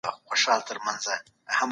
قرعه کشي د صحبت او سفر وجوب نه افاده کوي.